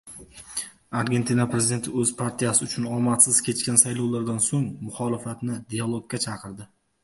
Argentina prezidenti o‘z partiyasi uchun omadsiz kechgan saylovlardan so‘ng, muxolifatni dialogga chaqirdi